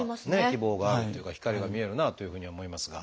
希望があるっていうか光が見えるなあというふうには思いますが。